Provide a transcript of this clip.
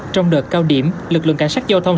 trong đợt cao điểm lực lượng cảnh sát giao thông